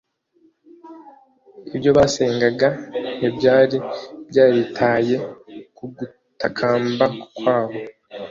Ibyo basengaga ntibyari byaritaye ku gutakamba kwabo